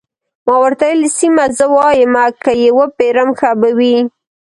ما ورته وویل: سیمه، زه وایم که يې وپېرم، ښه به وي.